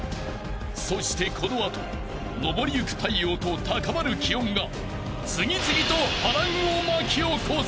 ［そしてこの後昇りゆく太陽と高まる気温が次々と波乱を巻き起こす］